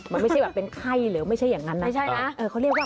มันไม่ใช่แบบเป็นไข้หรือไม่ใช่อย่างนั้นนะไม่ใช่นะ